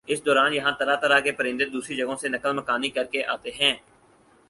اس دوران یہاں طرح طرح کے پرندے دوسری جگہوں سے نقل مکانی کرکے آتے ہیں